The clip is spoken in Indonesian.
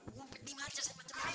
umpet dimana siasat pencernaan